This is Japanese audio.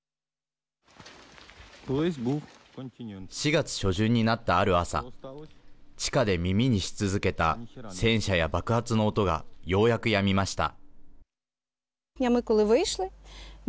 ４月初旬になった、ある朝地下で耳にし続けた戦車や爆発の音がようやく、やみました。